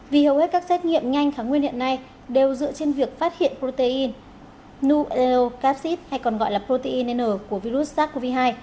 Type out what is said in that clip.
vì hầu hết các xét nghiệm nhanh kháng nguyên hiện nay đều dựa trên việc phát hiện protein nucleotide or capsid hay còn gọi là protein n của virus sars cov hai